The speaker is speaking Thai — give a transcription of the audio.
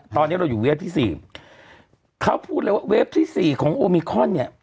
ตอนนี้เราอยู่เวฟที่สี่เขาพูดเลยว่าเวฟที่สี่ของโอมิคอนเนี่ย